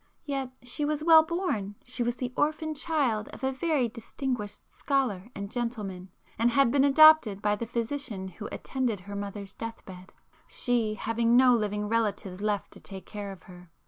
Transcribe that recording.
"Yet she was well born; she was the orphan child of a very distinguished scholar and gentleman, and had been adopted by the physician who attended her mother's deathbed, she having no living relatives left to take care of her.